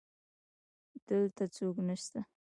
دلته څوک نسته